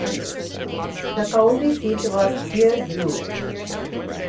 The county seat was Giurgiu.